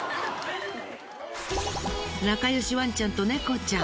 仲良しワンちゃんと猫ちゃん。